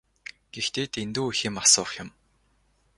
Гэхдээ дэндүү их юм асуух юм.